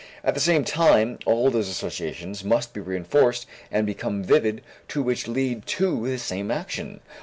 At the same time, all those associations must be reënforced and become vivid too which lead to the same action.